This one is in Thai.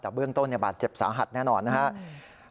แต่เบื้องต้นบาดเจ็บสาหัสแน่นอนนะครับ